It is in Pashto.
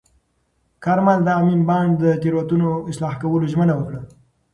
کارمل د امین بانډ د تېروتنو اصلاح کولو ژمنه وکړه.